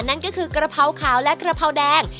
นั่นก็คือกระเพราขาวและกระเพราแดง